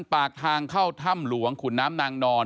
ปากทางเข้าถ้ำหลวงขุนน้ำนางนอน